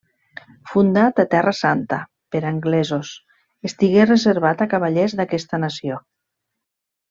Fundat a Terra Santa per anglesos, estigué reservat a cavallers d'aquesta nació.